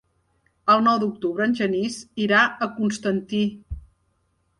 El nou d'octubre en Genís irà a Constantí.